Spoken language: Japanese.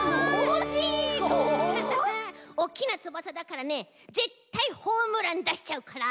おっきなつばさだからねぜったいホームランだしちゃうから。